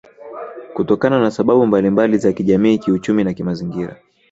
Kutokana na sababu mbalimba za kijamii kiuchumi na kimazingira